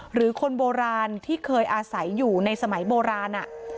หรือคนโบราณที่เคยอาศัยอยู่ในสมัยโบราณ